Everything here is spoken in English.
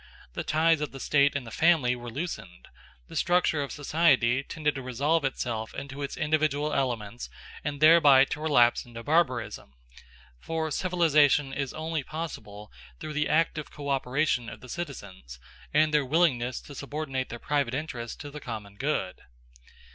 The ties of the state and the family were loosened: the structure of society tended to resolve itself into its individual elements and thereby to relapse into barbarism; for civilisation is only possible through the active co operation of the citizens and their willingness to subordinate their private interests to the common good.